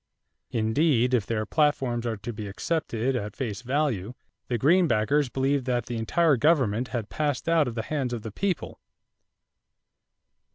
Indeed, if their platforms are to be accepted at face value, the Greenbackers believed that the entire government had passed out of the hands of the people.